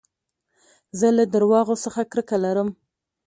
زه له درواغو څخه کرکه لرم.